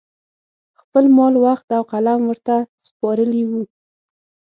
خپل مال، وخت او قلم ورته سپارلي وو